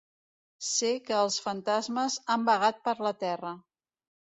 Sé que els fantasmes han vagat per la Terra.